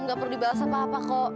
gak perlu dibalas apa apa kok